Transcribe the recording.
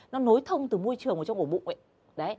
nó nối thông từ môi trường vào trong ổ bụng